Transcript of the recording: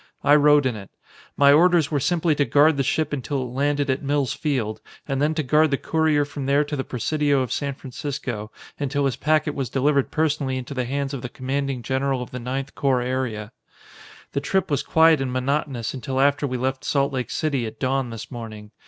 I rode in it. My orders were simply to guard the ship until it landed at Mills Field and then to guard the courier from there to the Presidio of San Francisco until his packet was delivered personally into the hands of the Commanding General of the Ninth Corps Area. "The trip was quiet and monotonous until after we left Salt Lake City at dawn this morning.